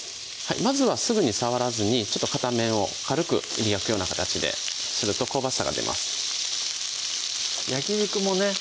まずはすぐに触らずに片面を軽く焼くような形ですると香ばしさが出ます焼き肉もね